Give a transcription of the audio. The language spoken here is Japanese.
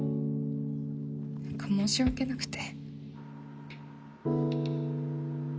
何か申し訳なくて。